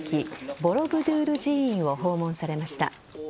ボロブドゥール寺院を訪問されました。